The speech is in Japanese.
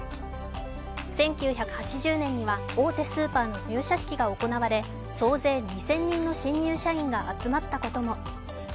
１９８０年には大手スーパーの入社式が行われ総勢２０００人の新入社員が集まったことも。